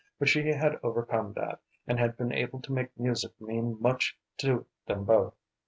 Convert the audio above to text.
But she had overcome that, and had been able to make music mean much to them both.